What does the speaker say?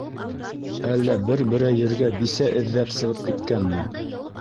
- Әллә... бер-берәй ергә бисә эҙҙәп сығып киткәнме?